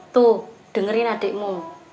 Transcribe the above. tuh dengerin adikmu